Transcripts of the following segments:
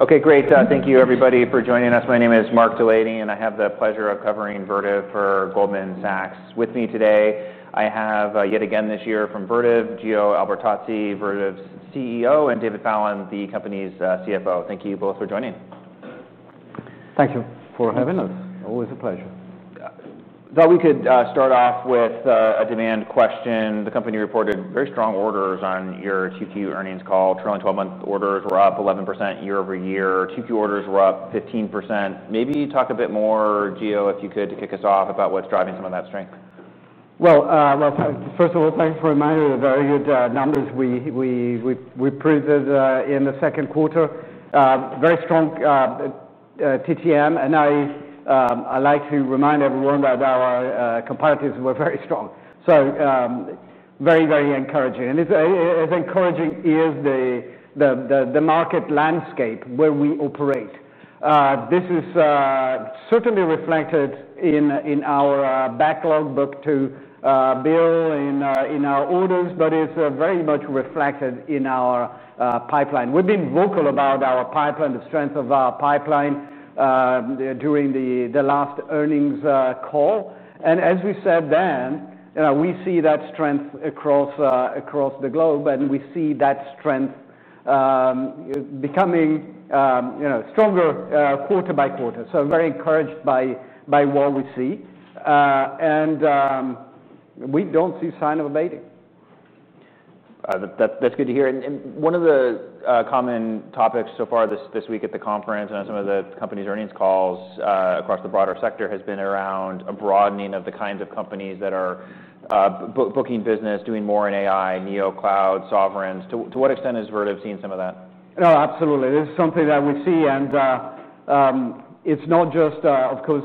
Okay, great. Thank you, everybody, for joining us. My name is Mark DeLaney, and I have the pleasure of covering Vertiv for Goldman Sachs. With me today, I have, yet again this year, from Vertiv, Giordano Albertazzi, Vertiv's CEO, and David Fallon, the company's CFO. Thank you both for joining. Thank you for having us. Always a pleasure. Thought we could start off with a demand question. The company reported very strong orders on your Q2 earnings call. Trailing twelve-month orders were up 11% year-over-year. Q2 orders were up 15%. Maybe you talk a bit more, Giordano, if you could, to kick us off about what's driving some of that strength. First of all, thanks for reminding me. Very good numbers. We proved that in the second quarter, very strong trailing twelve-month orders. I like to remind everyone that our competitors were very strong. Very, very encouraging. As encouraging is the market landscape where we operate. This is certainly reflected in our backlog, book to bill, in our orders, but it's very much reflected in our pipeline. We've been vocal about our pipeline, the strength of our pipeline, during the last earnings call. As we said then, we see that strength across the globe, and we see that strength becoming stronger quarter by quarter. Very encouraged by what we see. We don't see a sign of abating. That's good to hear. One of the common topics so far this week at the conference and on some of the company's earnings calls across the broader sector has been around a broadening of the kinds of companies that are booking business, doing more in AI, NeoCloud, Sovereigns. To what extent has Vertiv seen some of that? Oh, absolutely. This is something that we see. It's not just, of course,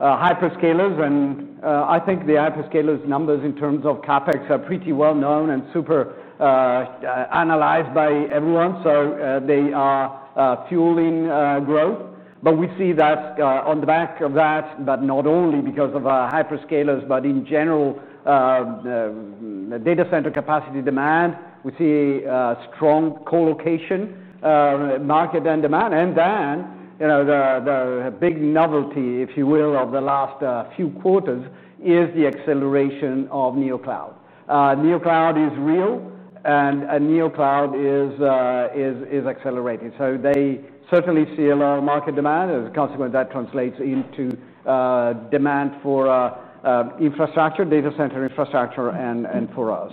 hyperscalers. I think the hyperscalers' numbers in terms of CapEx are pretty well known and super analyzed by everyone. They are fueling growth. We see that on the back of that, but not only because of hyperscalers, but in general, data center capacity demand. We see strong colocation market and demand. The big novelty, if you will, of the last few quarters is the acceleration of NeoCloud. NeoCloud is real, and NeoCloud is accelerated. They certainly see a lot of market demand. As a consequence, that translates into demand for infrastructure, data center infrastructure, and for us.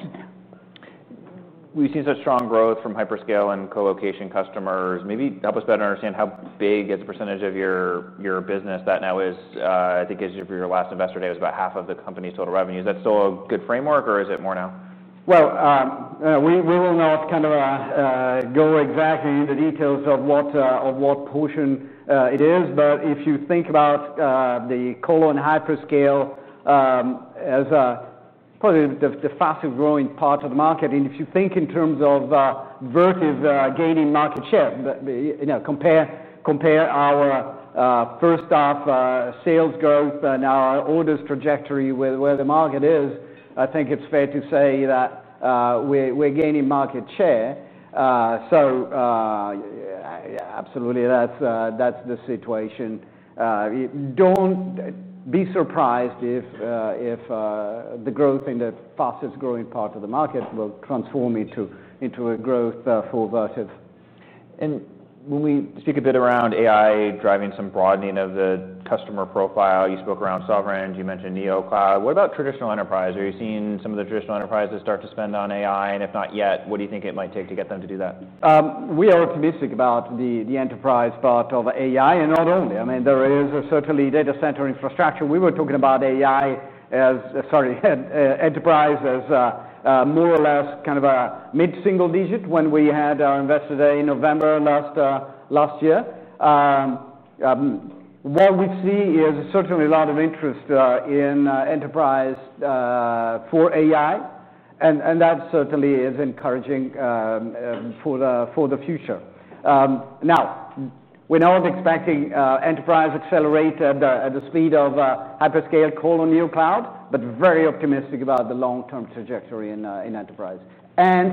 We've seen such strong growth from hyperscale and colocation customers. Maybe help us better understand how big as a percentage of your business that now is. I think as you for your last investor day, it was about half of the company's total revenue. Is that still a good framework, or is it more now? We will not kind of go exactly into details of what portion it is, but if you think about the colocation and hyperscale as probably the fastest growing part of the market, and if you think in terms of Vertiv gaining market share, but compare our first half sales growth and our orders trajectory with where the market is, I think it's fair to say that we're gaining market share. Absolutely, that's the situation. Don't be surprised if the growth in the fastest growing part of the market will transform into a growth for Vertiv. When we speak a bit around AI driving some broadening of the customer profile, you spoke around Sovereigns, you mentioned NeoCloud. What about traditional enterprise? Are you seeing some of the traditional enterprises start to spend on AI? If not yet, what do you think it might take to get them to do that? We are optimistic about the enterprise part of AI, and not only. I mean, there is certainly data center infrastructure. We were talking about AI as, enterprise as more or less kind of a mid-single digit when we had our investor day in November 2023. What we see is certainly a lot of interest in enterprise for AI, and that certainly is encouraging for the future. Now, we're not expecting enterprise accelerated at the speed of hyperscale colocation NeoCloud, but very optimistic about the long-term trajectory in enterprise. I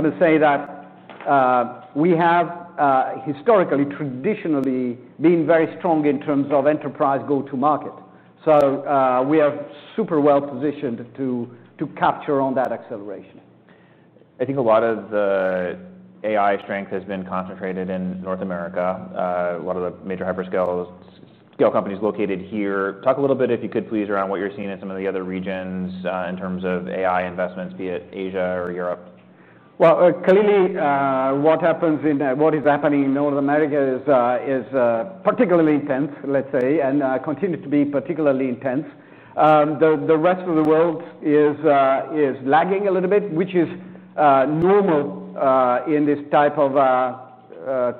must say that we have historically, traditionally been very strong in terms of enterprise go-to-market. We are super well positioned to capture on that acceleration. I think a lot of the AI strength has been concentrated in North America. A lot of the major hyperscale companies located here. Talk a little bit, if you could please, around what you're seeing in some of the other regions in terms of AI investments, be it Asia or Europe. What is happening in North America is particularly intense, let's say, and continues to be particularly intense. The rest of the world is lagging a little bit, which is normal in this type of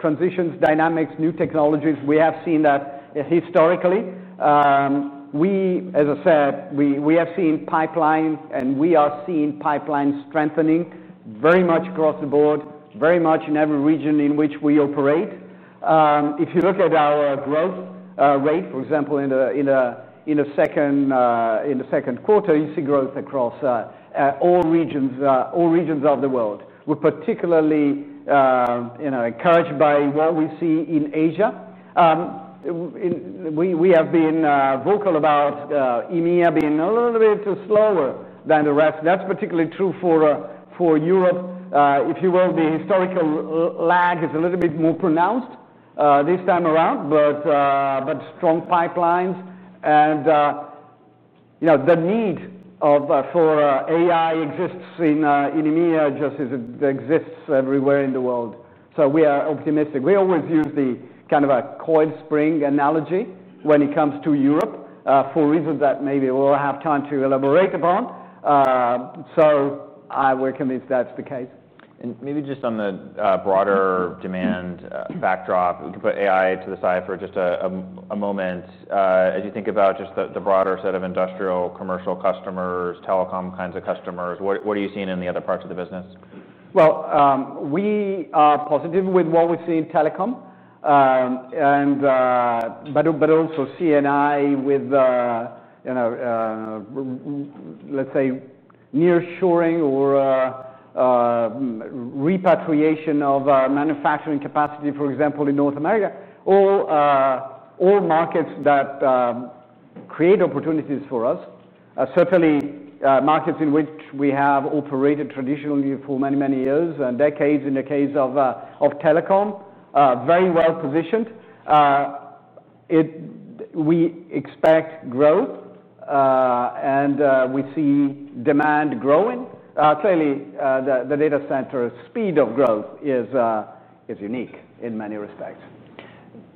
transitions, dynamics, new technologies. We have seen that historically. As I said, we have seen pipeline, and we are seeing pipeline strengthening very much across the board, very much in every region in which we operate. If you look at our growth rate, for example, in the second quarter, you see growth across all regions of the world. We're particularly encouraged by what we see in Asia. We have been vocal about EMEA being a little bit slower than the rest. That's particularly true for Europe. If you will, the historical lag is a little bit more pronounced this time around, but strong pipelines. The need for AI exists in EMEA just as it exists everywhere in the world. We are optimistic. We always use the kind of a coil spring analogy when it comes to Europe for reasons that maybe we'll have time to elaborate upon. We're convinced that's the case. Maybe just on the broader demand backdrop, we can put AI to the side for just a moment. As you think about just the broader set of industrial, commercial customers, telecom kinds of customers, what are you seeing in the other parts of the business? We are positive with what we see in telecom, but also see an eye with, let's say, near shoring or repatriation of manufacturing capacity, for example, in North America. All markets that create opportunities for us are certainly markets in which we have operated traditionally for many, many years and decades in the case of telecom, very well positioned. We expect growth, and we see demand growing. Clearly, the data center speed of growth is unique in many respects.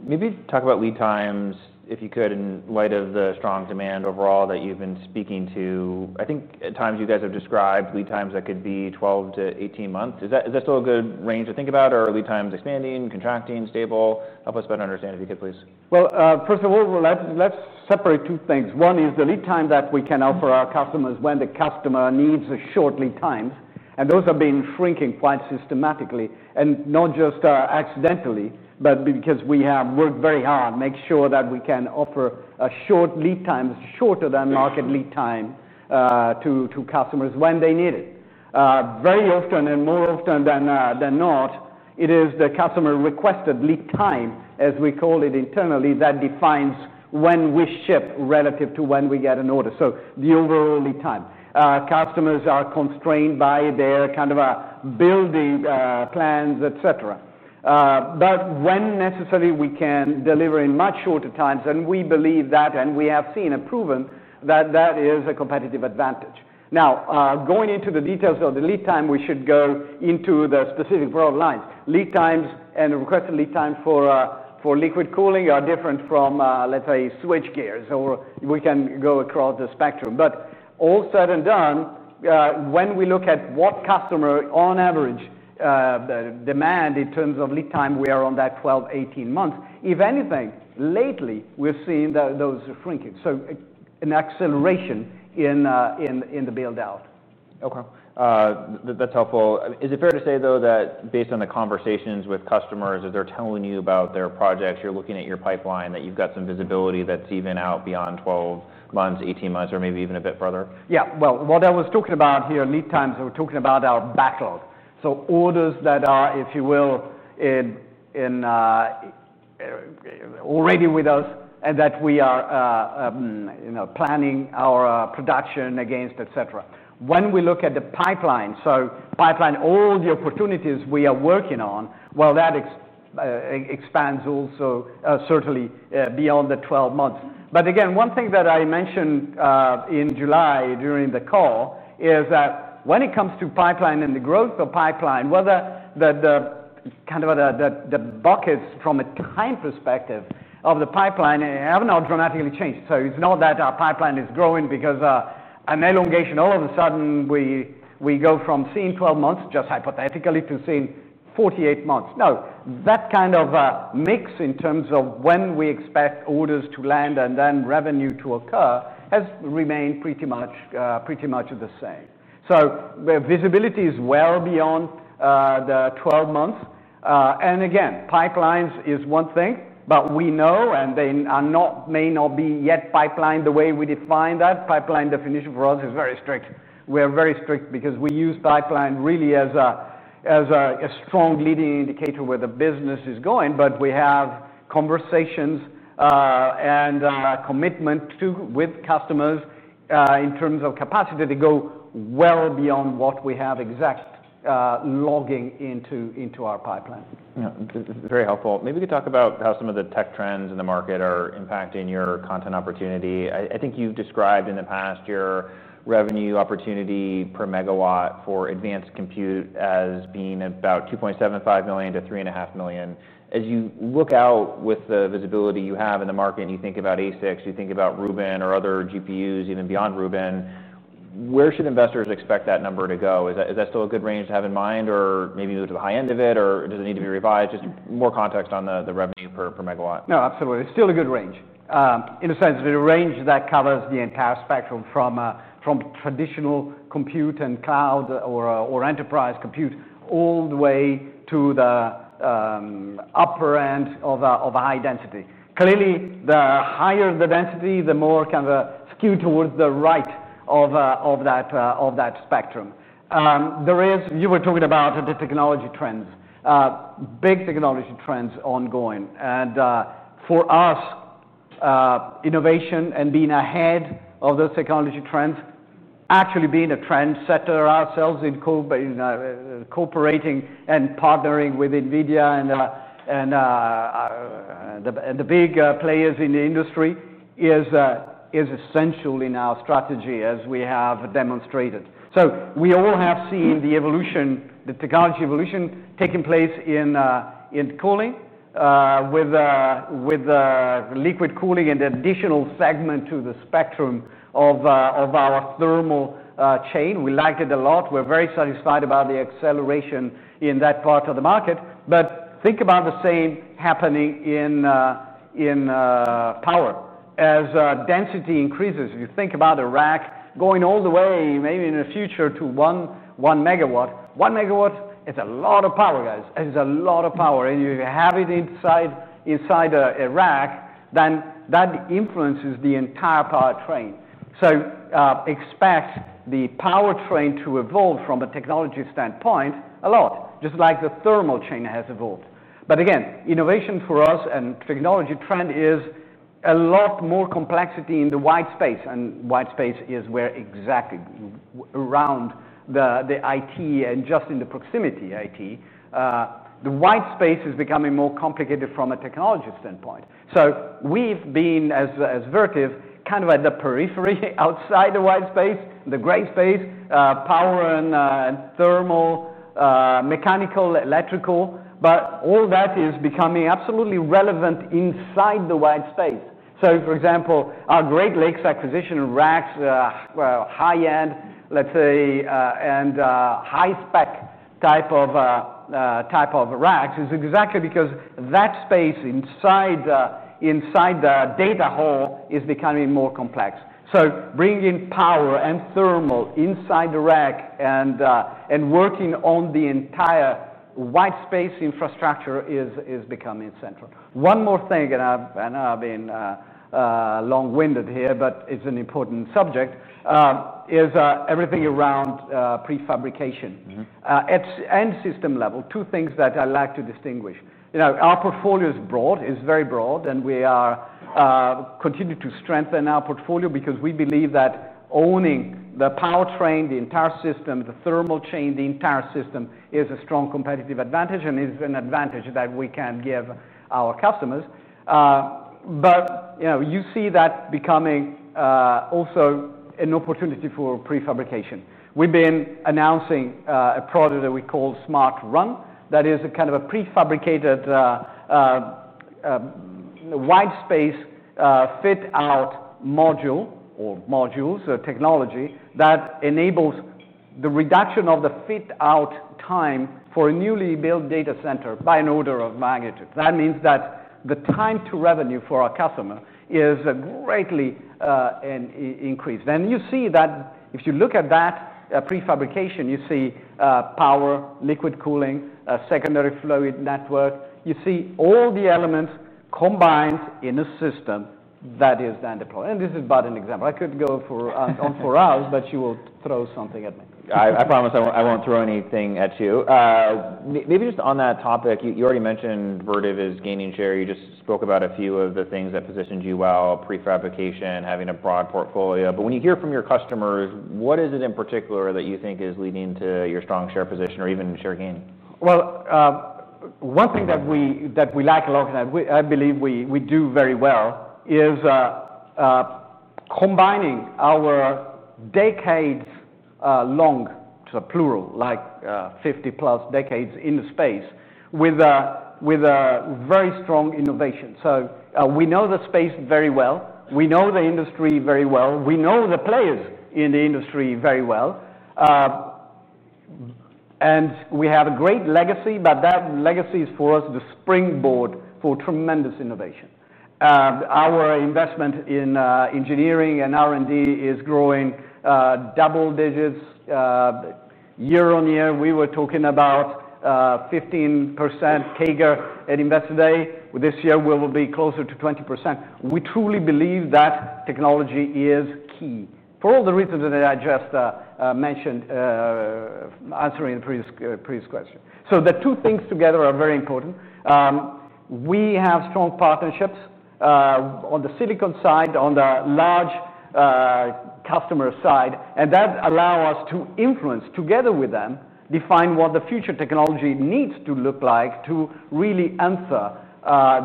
Maybe talk about lead times, if you could, in light of the strong demand overall that you've been speaking to. I think at times you guys have described lead times that could be 12 to 18 months. Is that still a good range to think about, or are lead times expanding, contracting, stable? Help us better understand, if you could, please. First of all, let's separate two things. One is the lead time that we can offer our customers when the customer needs a short lead time. Those have been shrinking quite systematically, not just accidentally, but because we have worked very hard to make sure that we can offer a short lead time, shorter than market lead time, to customers when they need it. Very often, and more often than not, it is the customer requested lead time, as we call it internally, that defines when we ship relative to when we get an order. The overall lead time, customers are constrained by their kind of build plans, et cetera. When necessary, we can deliver in much shorter times, and we believe that, and we have seen and proven that that is a competitive advantage. Now, going into the details of the lead time, we should go into the specific broad lines. Lead times and requested lead times for liquid cooling are different from, let's say, switch gears, or we can go across the spectrum. All said and done, when we look at what customers on average demand in terms of lead time, we are on that 12-18 months. If anything, lately, we've seen those shrinking. An acceleration in the build-out. Okay. That's helpful. Is it fair to say, though, that based on the conversations with customers, as they're telling you about their projects, you're looking at your pipeline, that you've got some visibility that's even out beyond 12 months, 18 months, or maybe even a bit further? Yeah. What I was talking about here, lead times, we're talking about our backlog. Orders that are, if you will, already with us and that we are planning our production against, et cetera. When we look at the pipeline, all the opportunities we are working on, that expands also certainly beyond the 12 months. One thing that I mentioned in July during the call is that when it comes to pipeline and the growth of pipeline, whether the kind of the buckets from a time perspective of the pipeline have not dramatically changed. It's not that our pipeline is growing because an elongation, all of a sudden, we go from seeing 12 months just hypothetically to seeing 48 months. No, that kind of mix in terms of when we expect orders to land and then revenue to occur has remained pretty much the same. Visibility is well beyond the 12 months. Pipelines is one thing, but we know, and they may not be yet pipelined the way we define that. Pipeline definition for us is very strict. We are very strict because we use pipeline really as a strong leading indicator where the business is going, but we have conversations and commitment with customers in terms of capacity to go well beyond what we have exactly logging into our pipeline. Yeah, very helpful. Maybe we could talk about how some of the tech trends in the market are impacting your content opportunity. I think you've described in the past your revenue opportunity per megawatt for advanced compute as being about $2.75 million to $3.5 million. As you look out with the visibility you have in the market and you think about ASICs, you think about Rubin or other GPUs even beyond Rubin, where should investors expect that number to go? Is that still a good range to have in mind, or maybe move to the high end of it, or does it need to be revised? Just more context on the revenue per megawatt. No, absolutely. It's still a good range. In a sense, it's a range that covers the entire spectrum from traditional compute and cloud or enterprise compute all the way to the upper end of high density. Clearly, the higher the density, the more kind of skewed towards the right of that spectrum. There is, you were talking about the technology trends, big technology trends ongoing. For us, innovation and being ahead of those technology trends, actually being a trendsetter ourselves in cooperating and partnering with NVIDIA and the big players in the industry, is essential in our strategy, as we have demonstrated. We all have seen the evolution, the technology evolution taking place in cooling with liquid cooling and the additional segment to the spectrum of our thermal chain. We liked it a lot. We're very satisfied about the acceleration in that part of the market. Think about the same happening in power. As density increases, if you think about a rack going all the way, maybe in the future, to one megawatt. One megawatt is a lot of power, guys. It's a lot of power. If you have it inside a rack, then that influences the entire power train. Expect the power train to evolve from a technology standpoint a lot, just like the thermal chain has evolved. Innovation for us and technology trend is a lot more complexity in the white space. White space is where exactly around the IT and just in the proximity IT. The white space is becoming more complicated from a technology standpoint. We've been, as Vertiv, kind of at the periphery outside the white space, the gray space, power and thermal, mechanical, electrical. All that is becoming absolutely relevant inside the white space. For example, our Great Lakes acquisition racks, high-end, let's say, and high-spec type of racks is exactly because that space inside the data hall is becoming more complex. Bringing power and thermal inside the rack and working on the entire white space infrastructure is becoming central. One more thing, and I know I've been long-winded here, but it's an important subject, is everything around prefabrication. At the end system level, two things that I like to distinguish. Our portfolio is broad, is very broad, and we continue to strengthen our portfolio because we believe that owning the power train, the entire system, the thermal chain, the entire system is a strong competitive advantage, and it's an advantage that we can give our customers. You see that becoming also an opportunity for prefabrication. We've been announcing a product that we call SmartRun that is a kind of a prefabricated wide space fit-out module or modules, a technology that enables the reduction of the fit-out time for a newly built data center by an order of magnitude. That means that the time to revenue for our customer is greatly increased. If you look at that prefabrication, you see power, liquid cooling, secondary flowing network. You see all the elements combined in a system that is then deployed. This is but an example. I could go on for hours, but you will throw something at me. I promise I won't throw anything at you. Maybe just on that topic, you already mentioned Vertiv is gaining share. You just spoke about a few of the things that positioned you well, prefabrication, having a broad portfolio. When you hear from your customers, what is it in particular that you think is leading to your strong share position or even share gain? One thing that we like a lot, and I believe we do very well, is combining our decades-long, so plural, like 50+ decades in the space with very strong innovation. We know the space very well. We know the industry very well. We know the players in the industry very well. We have a great legacy, but that legacy is for us the springboard for tremendous innovation. Our investment in engineering and R&D is growing double digits year on year. We were talking about 15% CAGR at investor day. This year, we will be closer to 20%. We truly believe that technology is key for all the reasons that I just mentioned, answering the previous question. The two things together are very important. We have strong partnerships on the silicon side, on the large customer side, and that allows us to influence together with them, define what the future technology needs to look like to really answer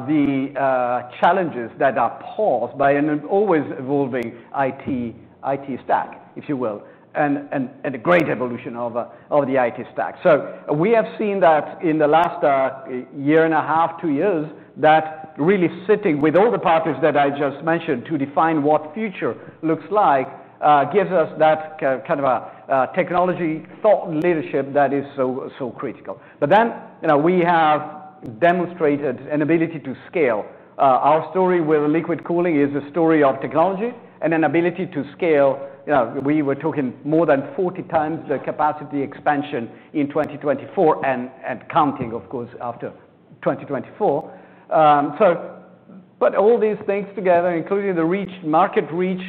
the challenges that are posed by an always evolving IT stack, if you will, and a great evolution of the IT stack. We have seen that in the last year and a half, two years, that really sitting with all the partners that I just mentioned to define what the future looks like gives us that kind of a technology thought leadership that is so critical. We have demonstrated an ability to scale. Our story with liquid cooling is a story of technology and an ability to scale. We were talking more than 40 times the capacity expansion in 2024 and counting, of course, after 2024. All these things together, including the reach, market reach,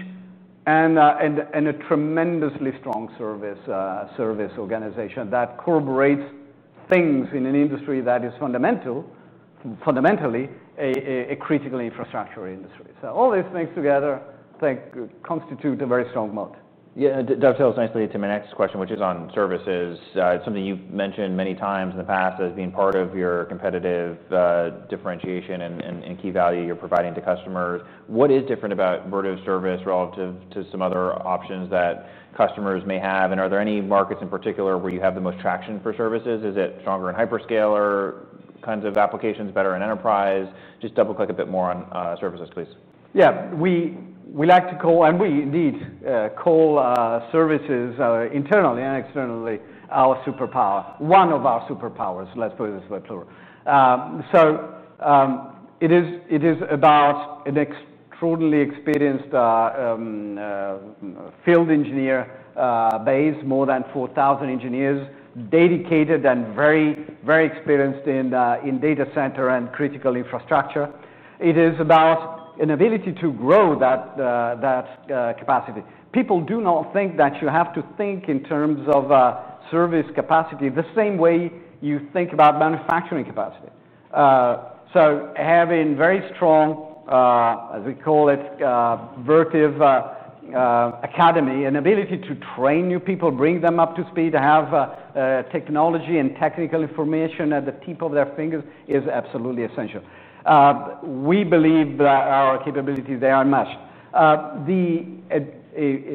and a tremendously strong service organization that corroborates things in an industry that is fundamentally a critical infrastructure industry. All these things together constitute a very strong moat. Yeah, and that ties nicely to my next question, which is on services. It's something you've mentioned many times in the past as being part of your competitive differentiation and key value you're providing to customers. What is different about Vertiv's service relative to some other options that customers may have? Are there any markets in particular where you have the most traction for services? Is it stronger in hyperscaler kinds of applications, better in enterprise? Just double click a bit more on services, please. Yeah, we like to call, and we indeed call services internally and externally our superpower, one of our superpowers. Let's put it this way, plural. It is about an extraordinarily experienced field engineer base, more than 4,000 engineers dedicated and very, very experienced in data center and critical infrastructure. It is about an ability to grow that capacity. People do not think that you have to think in terms of service capacity the same way you think about manufacturing capacity. Having very strong, as we call it, Vertiv Academy, an ability to train new people, bring them up to speed, to have technology and technical information at the tip of their fingers is absolutely essential. We believe that our capabilities there are matched. A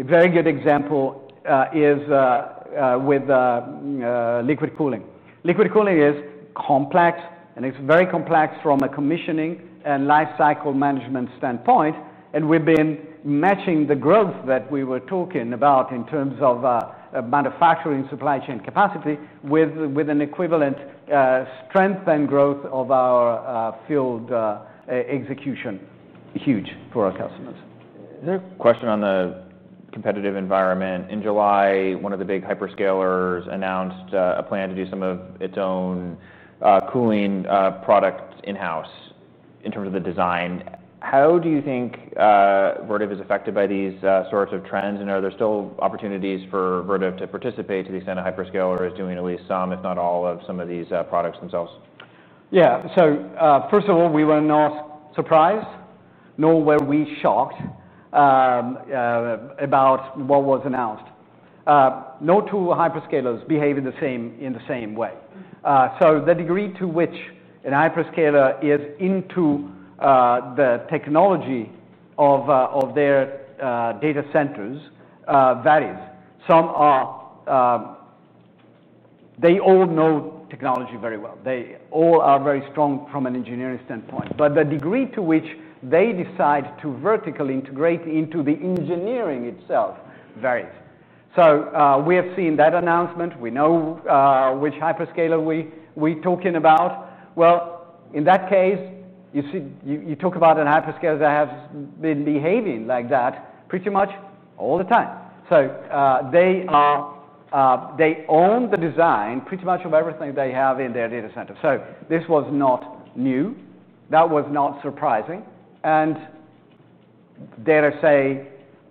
very good example is with liquid cooling. Liquid cooling is complex, and it's very complex from a commissioning and lifecycle management standpoint. We've been matching the growth that we were talking about in terms of manufacturing supply chain capacity with an equivalent strength and growth of our field execution, huge for our customers. Is there a question on the competitive environment? In July, one of the big hyperscalers announced a plan to do some of its own cooling products in-house in terms of the design. How do you think Vertiv is affected by these sorts of trends, and are there still opportunities for Vertiv to participate to the extent a hyperscaler is doing at least some, if not all, of some of these products themselves? Yeah, first of all, we were not surprised, nor were we shocked about what was announced. Not all hyperscalers behave in the same way. The degree to which a hyperscaler is into the technology of their data centers varies. They all know technology very well. They all are very strong from an engineering standpoint. The degree to which they decide to vertically integrate into the engineering itself varies. We have seen that announcement. We know which hyperscaler we're talking about. In that case, you talk about a hyperscaler that has been behaving like that pretty much all the time. They own the design pretty much of everything they have in their data center. This was not new. That was not surprising. They,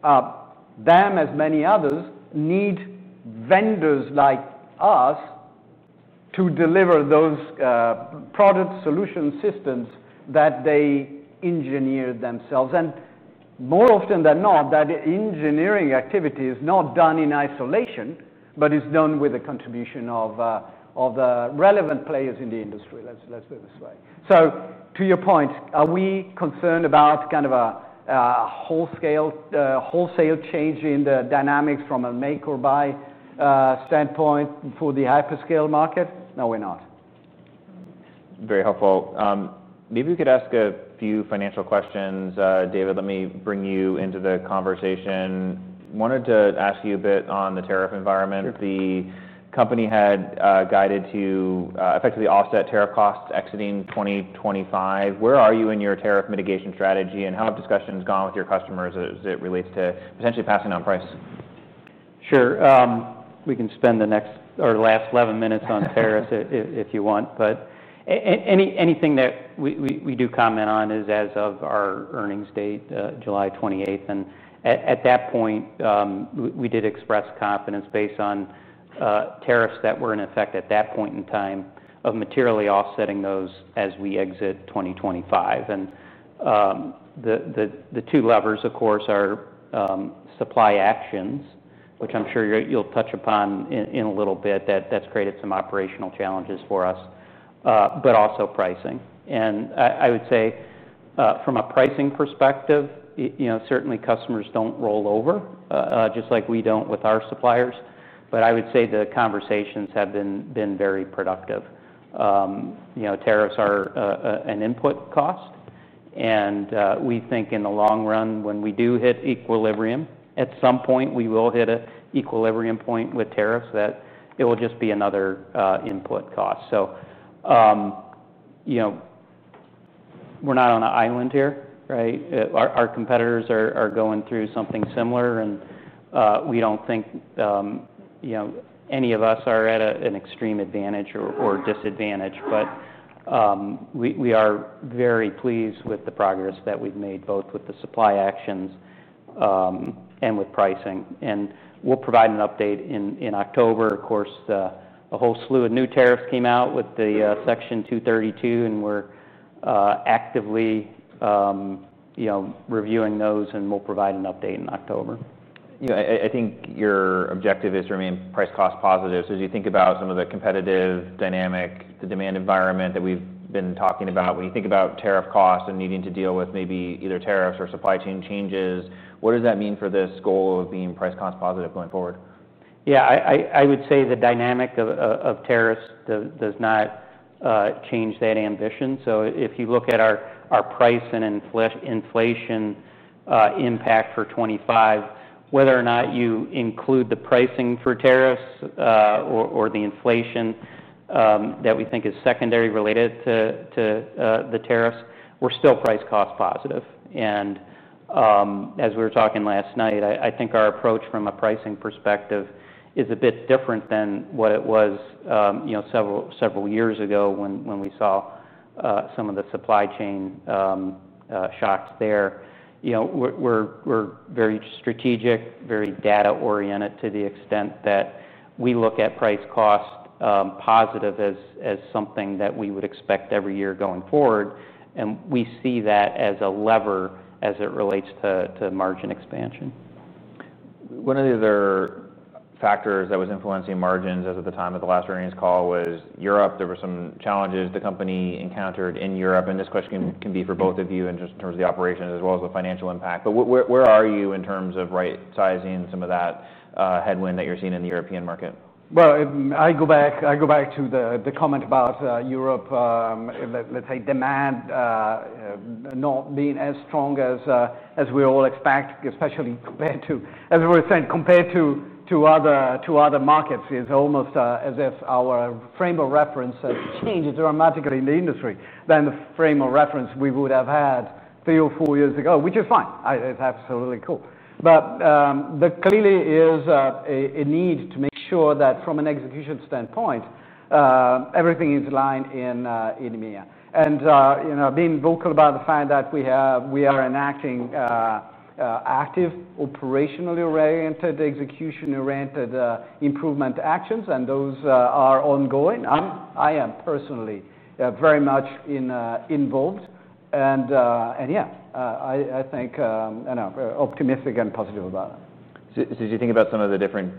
as many others, need vendors like us to deliver those products, solutions, systems that they engineered themselves. More often than not, that engineering activity is not done in isolation, but is done with the contribution of the relevant players in the industry. Let's put it this way. To your point, are we concerned about kind of a wholesale change in the dynamics from a make or buy standpoint for the hyperscale market? No, we're not. Very helpful. Maybe we could ask a few financial questions. David, let me bring you into the conversation. I wanted to ask you a bit on the tariff environment. The company had guided to effectively offset tariff costs exiting 2025. Where are you in your tariff mitigation strategy, and how have discussions gone with your customers as it relates to potentially passing on price? Sure. We can spend the next or last 11 minutes on tariffs if you want. Anything that we do comment on is as of our earnings date, July 28, and at that point, we did express confidence based on tariffs that were in effect at that point in time of materially offsetting those as we exit 2025. The two levers, of course, are supply actions, which I'm sure you'll touch upon in a little bit, that has created some operational challenges for us, but also pricing. I would say from a pricing perspective, certainly customers don't roll over, just like we don't with our suppliers. I would say the conversations have been very productive. Tariffs are an input cost, and we think in the long run, when we do hit equilibrium, at some point we will hit an equilibrium point with tariffs that it will just be another input cost. We're not on an island here, right? Our competitors are going through something similar, and we don't think any of us are at an extreme advantage or disadvantage. We are very pleased with the progress that we've made, both with the supply actions and with pricing. We'll provide an update in October. A whole slew of new tariffs came out with the Section 232, and we're actively reviewing those, and we'll provide an update in October. I think your objective is to remain price-cost positive. As you think about some of the competitive dynamic, the demand environment that we've been talking about, when you think about tariff costs and needing to deal with maybe either tariffs or supply chain changes, what does that mean for this goal of being price-cost positive going forward? Yeah, I would say the dynamic of tariffs does not change that ambition. If you look at our price and inflation impact for 2025, whether or not you include the pricing for tariffs or the inflation that we think is secondary related to the tariffs, we're still price-cost positive. As we were talking last night, I think our approach from a pricing perspective is a bit different than what it was several years ago when we saw some of the supply chain shocks there. We're very strategic, very data-oriented to the extent that we look at price-cost positive as something that we would expect every year going forward. We see that as a lever as it relates to margin expansion. One of the other factors that was influencing margins at the time of the last earnings call was Europe. There were some challenges the company encountered in Europe. This question can be for both of you in terms of the operations as well as the financial impact. Where are you in terms of right-sizing some of that headwind that you're seeing in the European market? I go back to the comment about Europe, let's say demand not being as strong as we all expect, especially compared to, as we were saying, compared to other markets. It's almost as if our frame of reference has changed dramatically in the industry than the frame of reference we would have had three or four years ago, which is fine. It's absolutely cool. There clearly is a need to make sure that from an execution standpoint, everything is aligned in EMEA. Being vocal about the fact that we are enacting active, operationally oriented, execution-oriented improvement actions, and those are ongoing. I am personally very much involved. I think I'm optimistic and positive about it. As you think about some of the different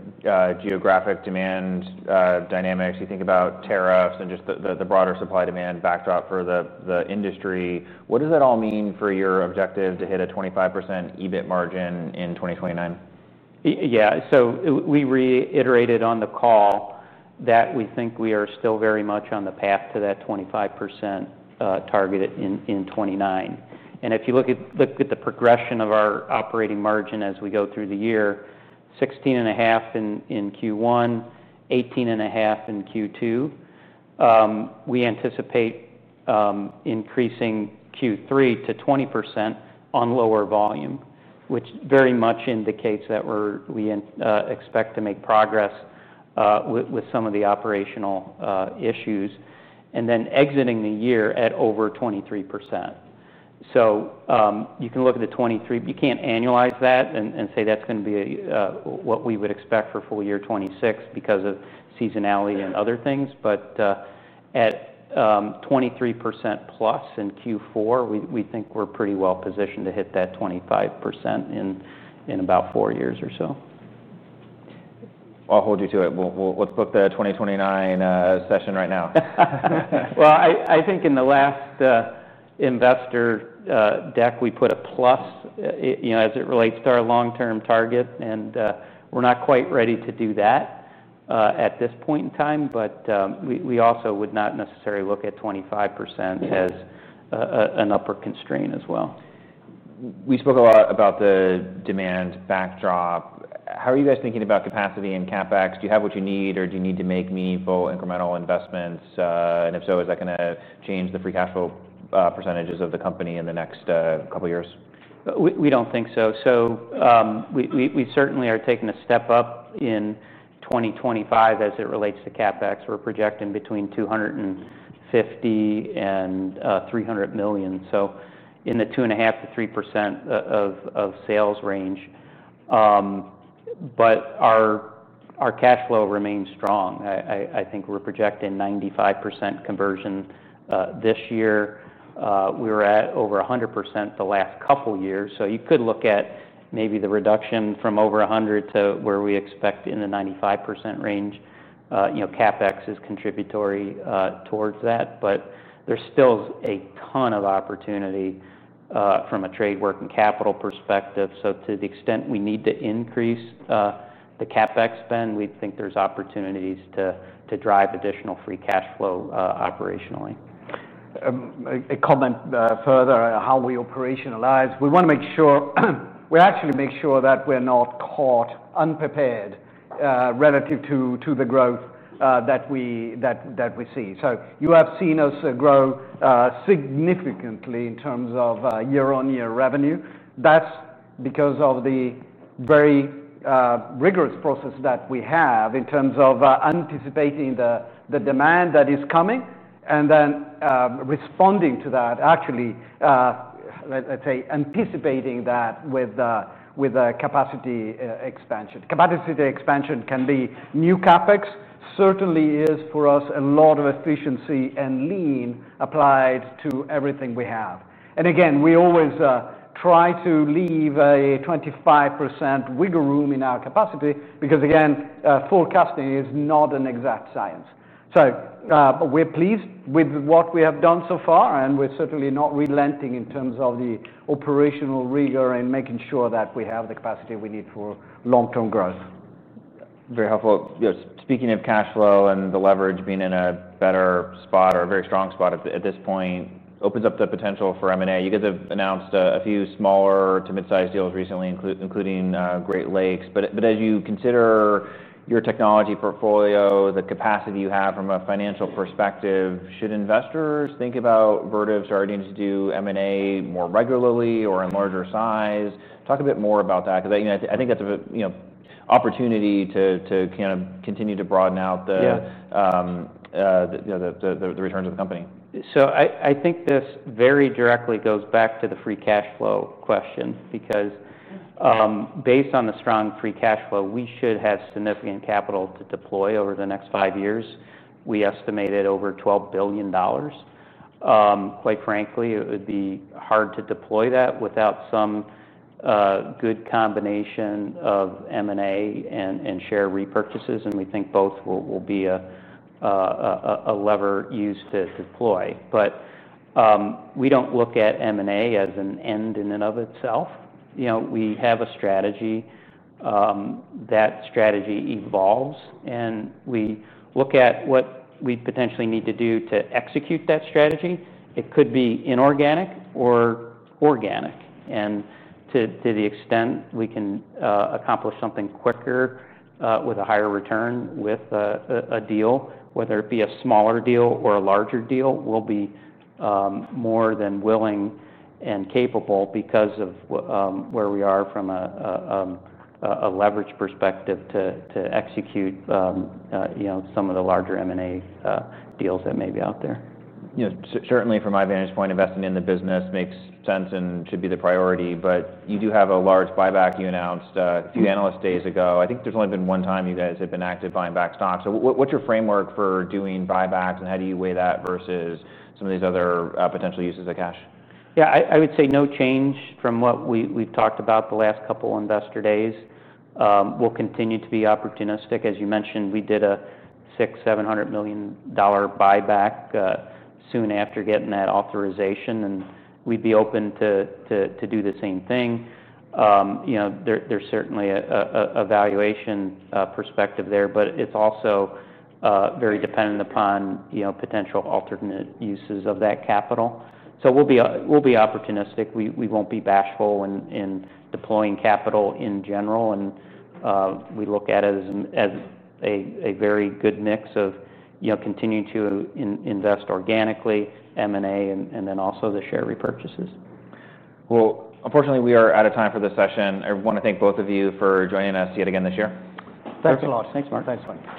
geographic demand dynamics, you think about tariffs and just the broader supply demand backdrop for the industry, what does that all mean for your objective to hit a 25% EBIT margin in 2029? Yeah, we reiterated on the call that we think we are still very much on the path to that 25% target in 2029. If you look at the progression of our operating margin as we go through the year, 16.5% in Q1, 18.5% in Q2, we anticipate increasing Q3 to 20% on lower volume, which very much indicates that we expect to make progress with some of the operational issues. Exiting the year at over 23%, you can look at the 23%, but you can't annualize that and say that's going to be what we would expect for full year 2026 because of seasonality and other things. At 23% plus in Q4, we think we're pretty well positioned to hit that 25% in about four years or so. I'll hold you to it. We'll book the 2029 session right now. I think in the last investor deck, we put a plus as it relates to our long-term target. We're not quite ready to do that at this point in time, but we also would not necessarily look at 25% as an upper constraint as well. We spoke a lot about the demand backdrop. How are you guys thinking about capacity and CapEx? Do you have what you need, or do you need to make meaningful incremental investments? If so, is that going to change the free cash flow % of the company in the next couple of years? We don't think so. We certainly are taking a step up in 2025 as it relates to CapEx. We're projecting between $250 million and $300 million, in the 2.5% to 3% of sales range. Our cash flow remains strong. I think we're projecting 95% conversion this year. We were at over 100% the last couple of years. You could look at maybe the reduction from over 100% to where we expect in the 95% range. CapEx is contributory towards that. There's still a ton of opportunity from a trade working capital perspective. To the extent we need to increase the CapEx spend, we think there's opportunities to drive additional free cash flow operationally. A comment further on how we operationalize. We want to make sure we actually make sure that we're not caught unprepared relative to the growth that we see. You have seen us grow significantly in terms of year-on-year revenue. That's because of the very rigorous process that we have in terms of anticipating the demand that is coming and then responding to that, actually, let's say anticipating that with the capacity expansion. Capacity expansion can be new CapEx. Certainly, it is for us a lot of efficiency and lean applied to everything we have. We always try to leave a 25% wiggle room in our capacity because, again, forecasting is not an exact science. We're pleased with what we have done so far, and we're certainly not relenting in terms of the operational rigor and making sure that we have the capacity we need for long-term growth. Very helpful. Speaking of cash flow and the leverage being in a better spot or a very strong spot at this point, it opens up the potential for M&A. You guys have announced a few smaller to mid-sized deals recently, including Great Lakes. As you consider your technology portfolio, the capacity you have from a financial perspective, should investors think about Vertiv starting to do M&A more regularly or in larger size? Talk a bit more about that because I think that's an opportunity to kind of continue to broaden out the returns of the company. I think this very directly goes back to the free cash flow question because based on the strong free cash flow, we should have significant capital to deploy over the next five years. We estimated over $12 billion. Quite frankly, it would be hard to deploy that without some good combination of M&A and share repurchases, and we think both will be a lever used to deploy. We don't look at M&A as an end in and of itself. We have a strategy. That strategy evolves, and we look at what we potentially need to do to execute that strategy. It could be inorganic or organic. To the extent we can accomplish something quicker with a higher return with a deal, whether it be a smaller deal or a larger deal, we'll be more than willing and capable because of where we are from a leverage perspective to execute some of the larger M&A deals that may be out there. Yeah, certainly from my vantage point, investing in the business makes sense and should be the priority. You do have a large buyback you announced a few analysts days ago. I think there's only been one time you guys have been active buying back stocks. What's your framework for doing buybacks, and how do you weigh that versus some of these other potential uses of cash? Yeah, I would say no change from what we've talked about the last couple of investor days. We'll continue to be opportunistic. As you mentioned, we did a $600-700 million buyback soon after getting that authorization, and we'd be open to do the same thing. There's certainly a valuation perspective there, but it's also very dependent upon potential alternate uses of that capital. We'll be opportunistic. We won't be bashful in deploying capital in general, and we look at it as a very good mix of continuing to invest organically, M&A, and then also the share repurchases. Unfortunately, we are out of time for this session. I want to thank both of you for joining us yet again this year. Thanks a lot. Thanks, Mark. Thanks, Mark.